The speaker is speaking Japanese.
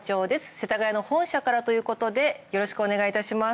世田谷の本社からということでよろしくお願いいたします。